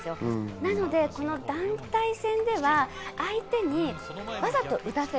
なので団体戦では相手にわざと打たせる。